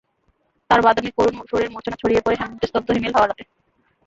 তাঁর বাদনে করুণ সুরের মূর্ছনা ছড়িয়ে পড়ে হেমন্তের স্তব্ধ হিমেল রাতের হাওয়ায়।